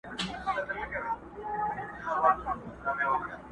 هغه کيسې د تباهيو، سوځېدلو کړلې.!